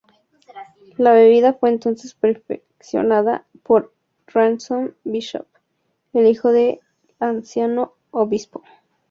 La bebida fue entonces perfeccionada por Ransom Bishop, el hijo del anciano obispo.